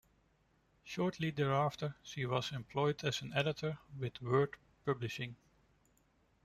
Shortly thereafter she was employed as an editor with Word Publishing.